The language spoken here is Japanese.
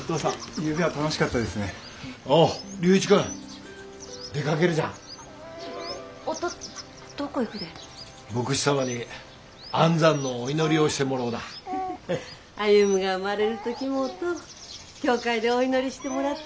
歩が生まれる時もおとう教会でお祈りしてもらっただよ。